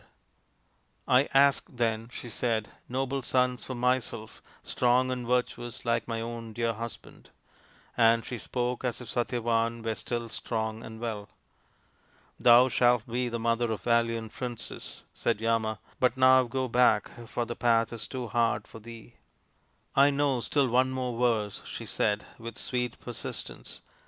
E 66 THE INDIAN STORY BOOK " I ask then/' she said, " noble sons for myself, strong and virtuous, like my own dear husband/' And she spoke as if Satyavan were still strong and well. " Thou shalt be the mother of valiant princes," said Yama ;" but now go back, for the path is too hard for thee." " I know still one more verse, 55 she said with sweet persistence.